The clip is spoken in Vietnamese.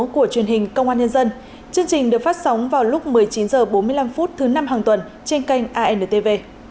chương trình được phát sóng vào lúc một mươi chín h bốn mươi năm thứ năm hàng tuần trên kênh antv